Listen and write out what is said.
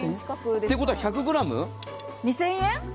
ということは１００ｇ２０００円。